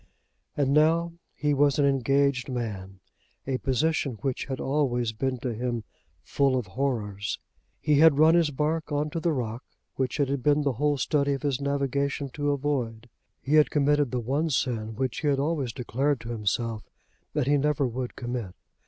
And now he was an engaged man, a position which had always been to him full of horrors. He had run his bark on to the rock, which it had been the whole study of his navigation to avoid. He had committed the one sin which he had always declared to himself that he never would commit.